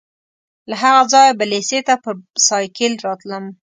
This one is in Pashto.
له هغه ځایه به لېسې ته پر سایکل راتلم.